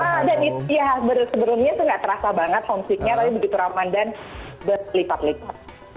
sebenarnya tuh nggak terasa banget homesicknya tapi begitu ramadhan berlipat lipat